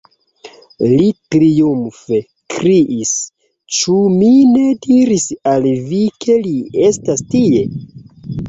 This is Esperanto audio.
Li triumfe kriis: "Ĉu mi ne diris al vi, ke li estas tie?"